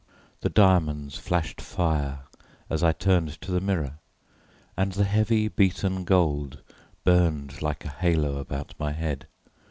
The diamonds flashed fire as I turned to the mirror, and the heavy beaten gold burned like a halo about my head.